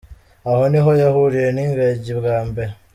Aho niho yahuriye n’ingagi bwa mbere.